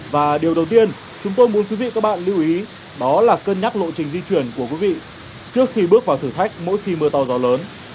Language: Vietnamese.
và điều đầu tiên chúng tôi muốn quý vị các bạn lưu ý đó là cân nhắc lộ trình di chuyển của quý vị trước khi bước vào thử thách mỗi khi mưa to gió lớn